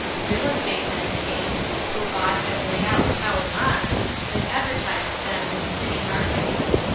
Real estate men came, who bought and laid out town lots, and ad vertised them in city markets.